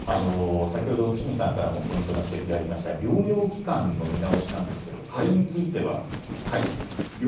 先ほど伏見さんからもポイントの指摘でありました療養期間の見直しなんですけれどそれについてはどうでしょうか。